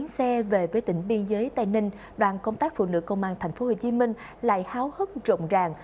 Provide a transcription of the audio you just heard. khi về với tỉnh biên giới tây ninh đoàn công tác phụ nữ công an tp hcm lại háo hức rộng ràng